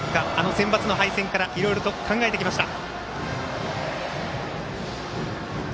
センバツの敗戦からいろいろと考えてきました。